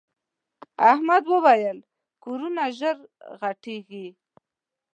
احمد وويل: کورونه ژر غټېږي.